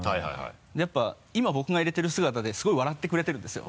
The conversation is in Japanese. やっぱ今僕が入れてる姿ですごい笑ってくれてるんですよ。